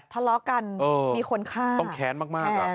ทะเลาะกันมีคนฆ่าต้องแค้นมาก